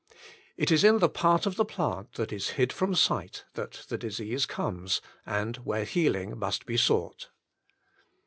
It is in the part of the plant that is Hid from Sight, that the disease comes, and where healing must be sought.